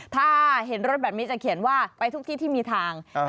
ถ้าเห็นรถแบบนี้จะเขียนว่าไปทุกที่ที่มีทาง